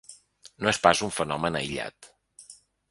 No és pas un fenomen aïllat.